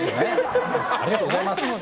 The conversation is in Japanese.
ありがとうございます。